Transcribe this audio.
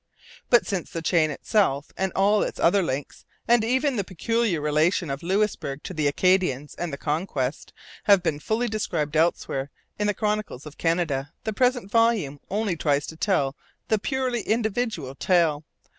But since the chain itself and all its other links, and even the peculiar relation of Louisbourg to the Acadians and the Conquest, have been fully described elsewhere in the Chronicles of Canada, the present volume only tries to tell the purely individual tale.